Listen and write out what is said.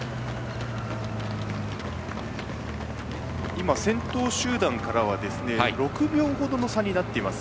今、先頭集団からは６秒ほどの差になっています